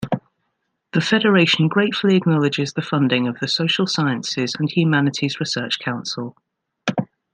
The Federation gratefully acknowledges the funding of the Social Sciences and Humanities Research Council.